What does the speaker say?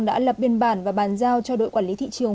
đã lập biên bản và bàn giao cho đội quản lý thị trường